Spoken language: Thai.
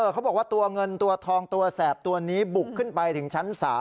เขาบอกว่าตัวเงินตัวทองตัวแสบตัวนี้บุกขึ้นไปถึงชั้น๓